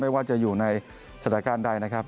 ไม่ว่าจะอยู่ในศตการได้นะครับ